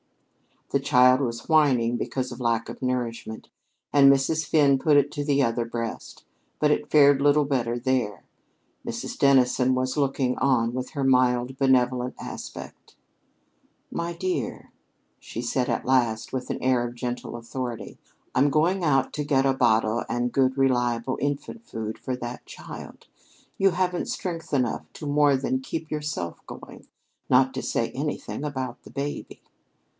The child was whining because of lack of nourishment, and Mrs. Finn put it to the other breast, but it fared little better there. Mrs. Dennison was looking on with her mild, benevolent aspect. "My dear," she said at last with an air of gentle authority, "I'm going out to get a bottle and good reliable infant food for that child. You haven't strength enough to more than keep yourself going, not to say anything about the baby."